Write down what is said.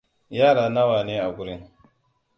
Yara nawane agurin?